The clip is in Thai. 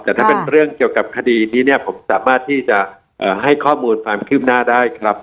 แต่ถ้าเป็นเรื่องเกี่ยวกับคดีนี้เนี่ยผมสามารถที่จะให้ข้อมูลความคืบหน้าได้ครับ